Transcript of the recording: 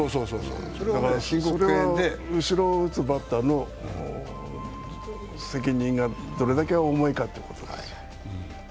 それは後ろを打つバッターの責任がどれだけ重いかということ。